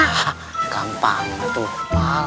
hah gampang tuh